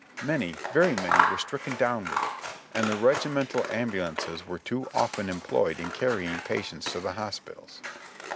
Many, very many were strick en down with it, and the regimental ambulances were too often employed in carrying patients to the hospitals.